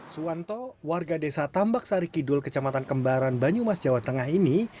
suwanto warga desa tambak sari kidul kecamatan kembaran banyumas jawa tengah ini